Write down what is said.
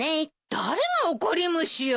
誰が怒り虫よ！